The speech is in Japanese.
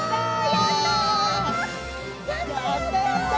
やったやった！